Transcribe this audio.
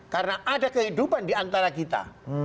karena ada kehidupan di antara kita